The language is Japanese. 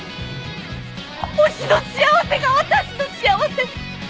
推しの幸せが私の幸せ！